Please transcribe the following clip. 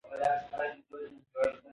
هغه یوازې د هغې غږ پیژانده.